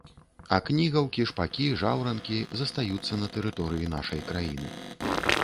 А кнігаўкі, шпакі, жаўранкі застаюцца на тэрыторыі нашай краіны.